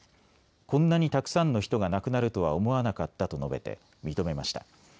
こんなにたくさんの人が亡くなるとは思わなかったと述べて認めました。